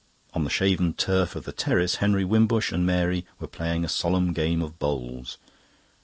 On the shaven turf of the terrace Henry Wimbush and Mary were playing a solemn game of bowls.